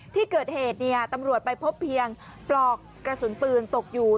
ที่เกิดเหตุตำรวจไปพบเพียงปลอกกระสุนปืนตกอยู่